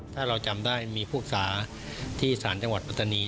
ถ้าเราจำได้มีภูกษาที่สารจังหวัดปรัฏนี